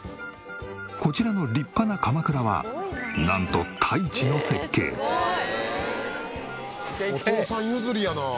こちらの立派なかまくらはなんと「お父さん譲りやな」